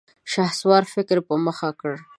شهسوار فکر په مخه کړ.